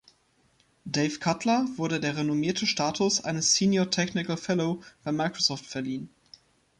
Dave Cutler wurde der renommierte Status eines Senior Technical Fellow bei Microsoft verliehen.